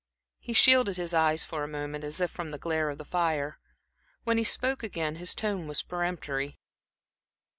He shielded his eyes for a moment, as if from the glare of the fire. When he spoke again his tone was peremptory.